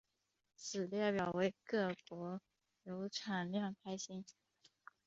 此列表为各国铀产量排行。